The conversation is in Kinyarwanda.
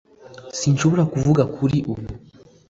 Sinshobora kuvuga kuri ubu